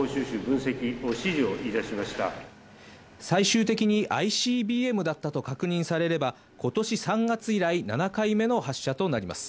最終的にＩＣＢＭだったと確認されれば、今年３月以来、７回目の発射となります。